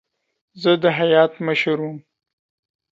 زه د هیات مشر وم.